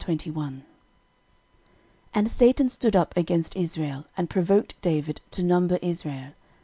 13:021:001 And Satan stood up against Israel, and provoked David to number Israel.